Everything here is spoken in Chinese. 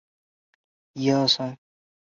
其故居为广东省省级文物保护单位。